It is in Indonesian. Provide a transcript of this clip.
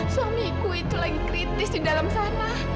suamiku itu lagi kritis di dalam sana